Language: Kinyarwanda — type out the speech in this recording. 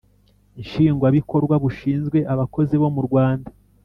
Nshingwabikorwa bushinzwe Abakozi bo mu rwanda